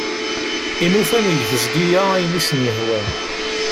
Imi ufan deg tezgi-a ayen i asen-yehwan.